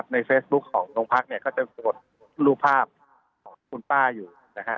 ในเฟซบุ๊กของโรงพักษณ์ก็จะมีรูปภาพของคุณป้าอยู่